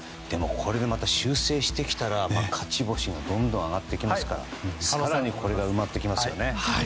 ここで修正してきたら勝ち星がどんどん挙がってきますから更にこれが埋まってきますね。